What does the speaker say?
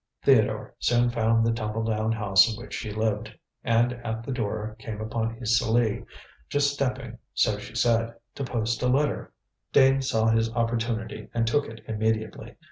Theodore soon found the tumbledown house in which she lived, and at the door came upon Isa Lee, just stepping so she said to post a letter. Dane saw his opportunity and took it immediately.